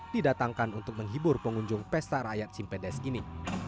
didatangkan untuk menghibur pengunjung pesta rakyat simpedes ini